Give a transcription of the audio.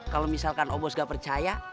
kalau misalkan oh bos gak percaya